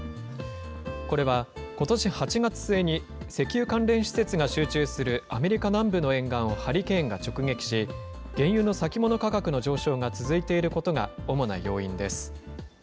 これはことし８月末に、石油関連施設が集中するアメリカ南部の沿岸をハリケーンが直撃し、原油の先物価格の上昇が続いていることが主な要因です。